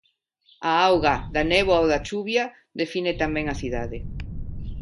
A auga, da néboa ou a chuvia, define tamén a cidade.